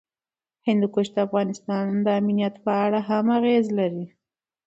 هندوکش د افغانستان د امنیت په اړه هم اغېز لري.